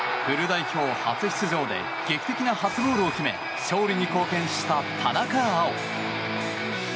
フル代表初出場で劇的な初ゴールを決め勝利に貢献した田中碧。